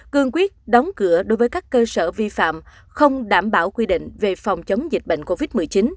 cương quyết đóng cửa đối với các cơ sở vi phạm không đảm bảo quy định về phòng chống dịch bệnh covid một mươi chín